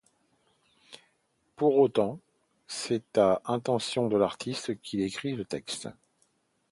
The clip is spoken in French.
Pour autant, c'est à l'intention de l'artiste qu'il écrit le texte.